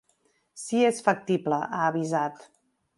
Si és factible, ha avisat.